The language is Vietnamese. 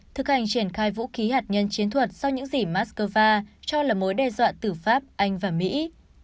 thực hành triển khai vũ khí hạt nhân chiến thuật sau những gì moscow cho là mối đe dọa từ pháp anh và mỹ